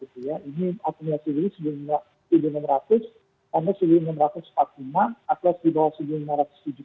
ini akunnya seberi tujuh ribu enam ratus